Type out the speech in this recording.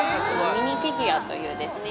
◆ミニフィギュアというですね